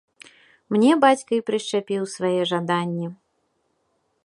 Мне бацька і прышчапіў свае жаданні.